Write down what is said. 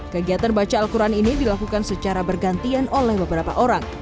kegiatan baca al quran ini dilakukan secara bergantian oleh beberapa orang